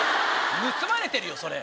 盗まれてるよそれ。